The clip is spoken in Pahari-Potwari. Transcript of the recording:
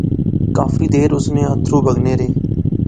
کافی دیر اس نے اتھرو بغنے رہے